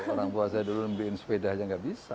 orang tua saya dulu beliin sepeda aja gak bisa